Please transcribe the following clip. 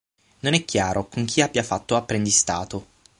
Non è chiaro con chi abbia fatto apprendistato.